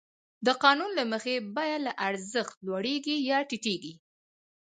د قانون له مخې بیه له ارزښت لوړېږي یا ټیټېږي